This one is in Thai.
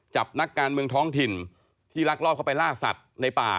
นักการเมืองท้องถิ่นที่ลักลอบเข้าไปล่าสัตว์ในป่า